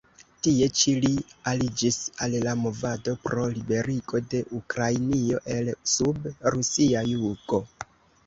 Tie ĉi li aliĝis al la movado pro liberigo de Ukrainio el-sub rusia jugo.